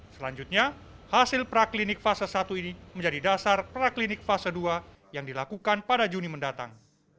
selanjutnya hasil praklinik fase satu ini menjadi dasar praklinik fase dua yang dilakukan pada juni mendatang